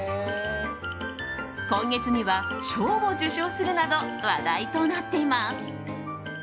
今月には賞を受賞するなど話題となっています。